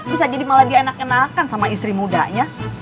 bisa jadi malah dianak enak enakan sama istri mudanya